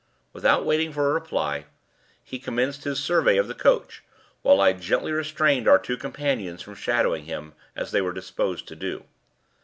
Without waiting for a reply, he commenced his survey of the coach, while I gently restrained our two companions from shadowing him, as they were disposed to do.